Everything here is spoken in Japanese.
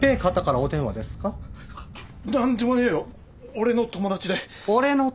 俺の友達？